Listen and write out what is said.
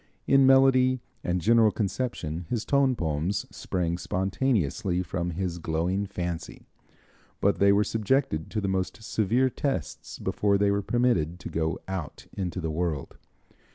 In melody and general conception his tone poems sprang spontaneously from his glowing fancy, but they were subjected to the most severe tests before they were permitted to go out into the world.